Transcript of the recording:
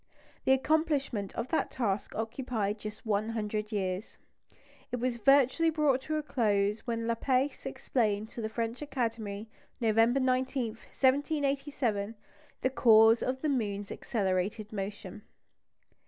The accomplishment of that task occupied just one hundred years. It was virtually brought to a close when Laplace explained to the French Academy, November 19, 1787, the cause of the moon's accelerated motion.